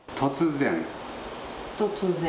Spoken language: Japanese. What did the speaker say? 突然。